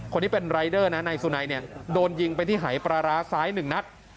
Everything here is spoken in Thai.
คนที่เป็นรายเดอร์นะนายสุนัยเนี่ยโดนยิงไปที่หายปลาร้าซ้าย๑นัด